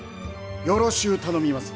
よろしう頼みます。